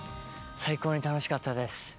最高に楽しかったです。